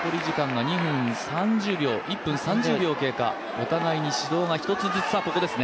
お互いに指導が１つずつですね。